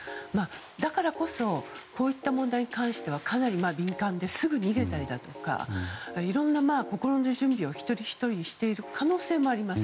だからこそこういった問題に関してはかなり敏感ですぐ逃げたりだとかいろんな心の準備を一人ひとりしている可能性もあります。